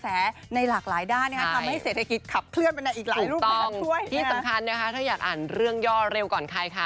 สำคัญนะครับถ้าอยากอ่านเรื่องย่อเร็วก่อนใครค่ะ